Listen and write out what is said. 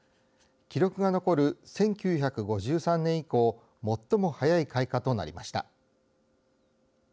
記録が残る１９５３年以降最も早い開花となりました。